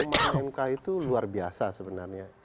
makanya menurut saya kekembangan mk itu luar biasa sebenarnya